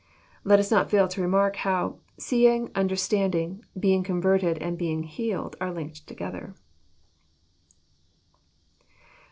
Let us not fail to remark how " seeing, understanding, being converted, and being healed," are linked together.